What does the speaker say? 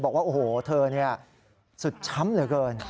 บอกว่าโอ้โหเธอสุดช้ำเหลือเกิน